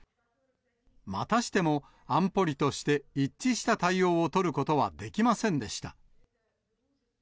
またしても安保理として、一致した対応を取ることはできませんでした。